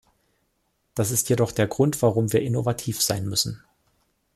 Das ist jedoch der Grund, warum wir innovativ sein müssen.